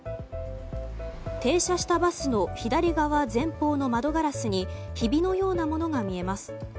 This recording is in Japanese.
停車したバスの左側前方の窓ガラスにひびのようなものが見えます。